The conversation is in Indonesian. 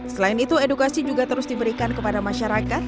selain itu edukasi juga terus diberikan kepada masyarakat